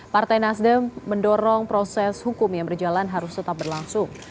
partai nasdem mendorong proses hukum yang berjalan harus tetap berlangsung